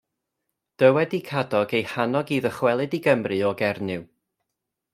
Dywed i Cadog ei hannog i ddychwelyd i Gymru o Gernyw.